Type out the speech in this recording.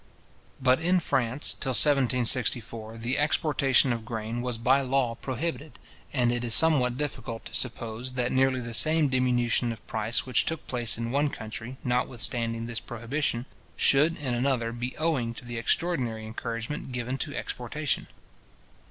But in France, till 1764, the exportation of grain was by law prohibited; and it is somewhat difficult to suppose, that nearly the same diminution of price which took place in one country, notwithstanding this prohibition, should, in another, be owing to the extraordinary encouragement given to exportation.